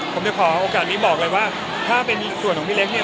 ผมจะขอโอกาสนี้บอกเลยว่าถ้าเป็นส่วนของพี่เล็กเนี่ย